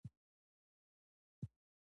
دقت هم یو شی دی.